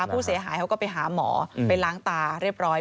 ผู้เสียหายเขาก็ไปหาหมอไปล้างตาเรียบร้อย